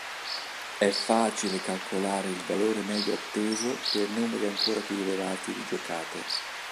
È facile calcolare il valore medio atteso per numeri ancora più elevati di giocate.